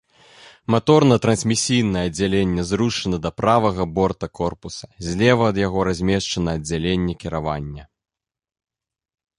Маторна-трансмісійнае аддзяленне зрушана да правага борта корпуса, злева ад яго размешчана аддзяленне кіравання.